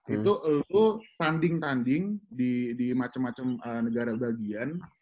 itu lu tanding tanding di macem macem negara bagian